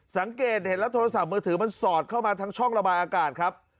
สังเกตเห็นแล้วโทรศัพท์มือถือมันสอดเข้ามาทั้งช่องระบายอากาศครับ